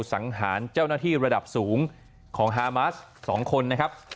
สังหารเจ้าหน้าที่ระดับสูงของฮามาส๒คนนะครับ